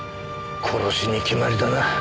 殺しに決まりだな。